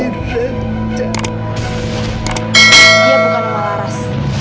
dia bukan oma laras